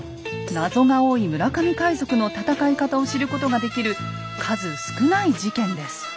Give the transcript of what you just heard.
謎が多い村上海賊の戦い方を知ることができる数少ない事件です。